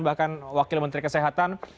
bahkan wakil menteri kesehatan